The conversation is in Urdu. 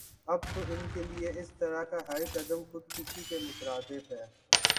اب تو انکےلئے اسطرح کا ہر قدم خودکشی کے مترادف ہے